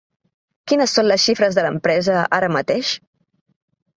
Quines són les xifres de l’empresa, ara mateix?